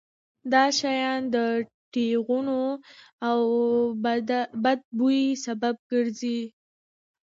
دا شیان د ټېغونو او بد بوی سبب ګرځي.